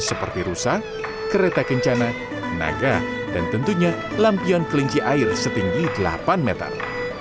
seperti rusa kereta kencana naga dan tentunya lampion kelinci air setinggi delapan meter